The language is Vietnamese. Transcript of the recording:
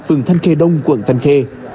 trường thanh khê đông quận thanh khê